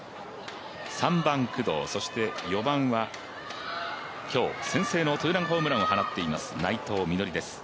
３番・工藤４番は今日、先制のツーランホームランを放っています、内藤実穂です。